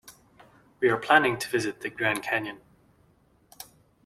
We are planning to visit the Grand Canyon.